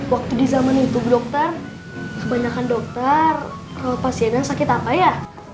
waktu di zaman itu dokter kebanyakan dokter kalau pasiennya sakit apa ya